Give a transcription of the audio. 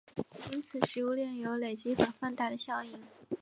因此食物链有累积和放大的效应。